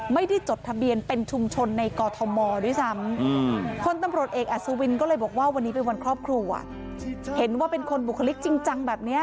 วันนี้เป็นวันครอบครัวเห็นว่าเป็นคนบุคลิกจริงจังแบบนี้